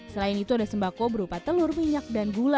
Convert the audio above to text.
selain itu ada sembako berupa telur minyak dan gula